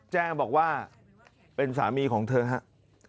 แจ้งบอกว่าเป็นสามีของเธอครับ